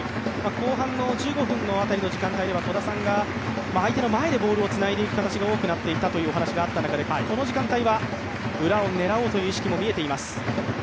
後半の１５分のところでは戸田さんが、相手の前でボールをつないでいくのが多くなったという中でこの時間帯は裏を狙おうという意識も見えています。